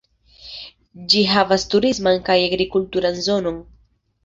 Ĝi havas turisman kaj agrikulturan zonon.